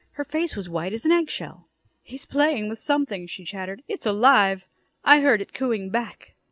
Her face was white as an egg shell. "He's playing with something," she chattered. "It's alive. I heard it cooing back."